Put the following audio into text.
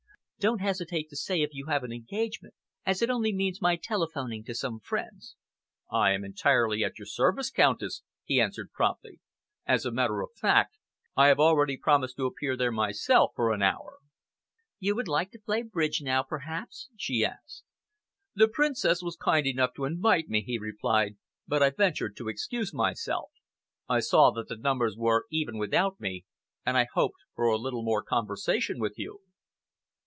Don't hesitate to say if you have an engagement, as it only means my telephoning to some friends." "I am entirely at your service, Countess," he answered promptly. "As a matter of fact, I have already promised to appear there myself for an hour." "You would like to play bridge now, perhaps?" she asked. "The Princess was kind enough to invite me," he replied, "but I ventured to excuse myself. I saw that the numbers were even without me, and I hoped for a little more conversation with you."